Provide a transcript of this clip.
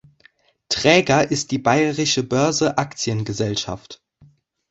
Träger ist die Bayerische Börse Aktiengesellschaft.